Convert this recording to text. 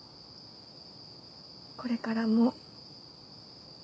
これからも。